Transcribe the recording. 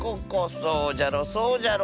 そうじゃろそうじゃろ。